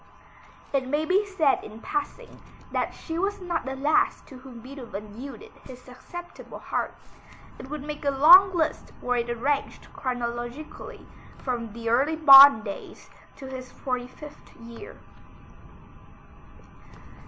It may be said in passing, that she was not the last to whom Beethoven yielded his susceptible heart. It would make a long list were it arranged chronologically, from the early Bonn days to his forty fifth year.